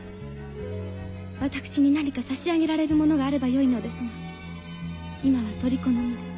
私に何か差し上げられるものがあればよいのですが今はとりこの身で。